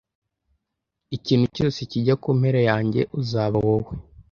Ikintu cyose kijya kumpera yanjye uzaba wowe!